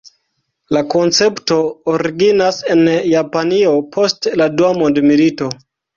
La koncepto originas en Japanio post la Dua Mondmilito.